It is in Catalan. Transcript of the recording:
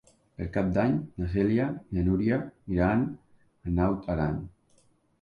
Per Cap d'Any na Cèlia i na Núria iran a Naut Aran.